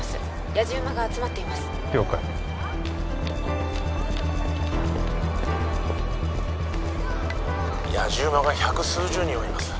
やじ馬が集まっています了解やじ馬が百数十人はいます